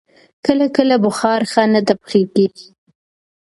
کله کله بخار ښه نه تبخیر کېږي.